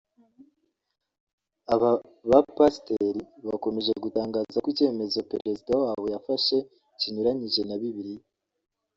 aba ba Pasiteri bakomeje gutangaza ko icyemezo Perezida wabo yafashe kinyuranyije na Bibiriya